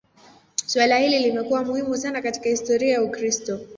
Suala hili limekuwa muhimu sana katika historia ya Ukristo.